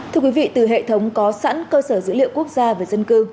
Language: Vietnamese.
thưa quý vị từ hệ thống có sẵn cơ sở dữ liệu quốc gia về dân cư